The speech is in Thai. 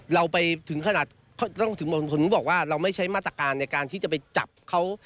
เราไปถึงขนาดเขาต้องถึงบอกว่าเราไม่ใช้มาตรการในการที่จะไปจับเขา